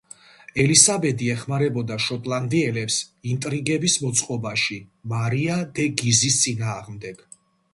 ელისაბედი ეხმარებოდა შოტლანდიელებს ინტრიგების მოწყობაში მარია დე გიზის წინააღმდეგ.